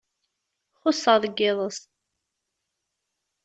Xuṣṣeɣ deg yiḍes.